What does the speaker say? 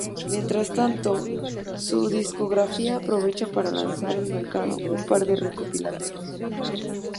Mientras tanto, su discográfica aprovecha para lanzar al mercado un par de recopilatorios.